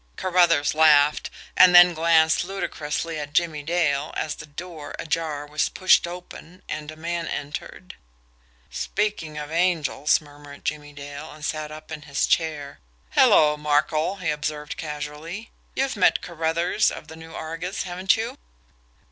Carruthers laughed and then glanced ludicrously at Jimmie Dale, as the door, ajar, was pushed open, and a man entered. "Speaking of angels," murmured Jimmie Dale and sat up in his chair. "Hello, Markel!" he observed casually, "You've met Carruthers, of the NEWS ARGUS, haven't you?"